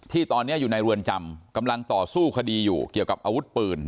ที่ตอนนี้อยู่ในเรือนจำกำลังต่อสู้คดีอยู่เกี่ยวกับอาวุธปืน